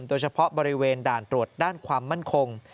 โดยเฉพาะบริเวณด่านตรวจด้านความมั่นคง